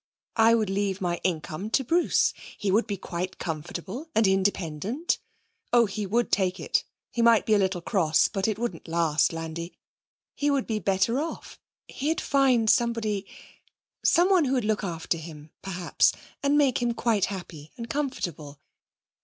I would leave my income to Bruce; he would be quite comfortable and independent. Oh, he would take it. He might be a little cross, but it wouldn't last, Landi. He would be better off. He'd find somebody someone who would look after him, perhaps, and make him quite happy and comfortable.